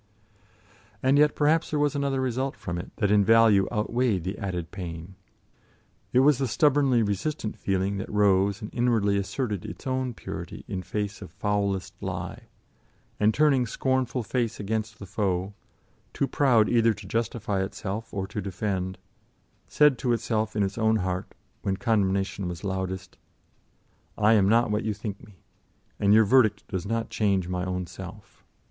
And yet perhaps there was another result from it that in value outweighed the added pain: it was the stubbornly resistant feeling that rose and inwardly asserted its own purity in face of foulest lie, and turning scornful face against the foe, too proud either to justify itself or to defend, said to itself in its own heart, when condemnation was loudest: "I am not what you think me, and your verdict does not change my own self.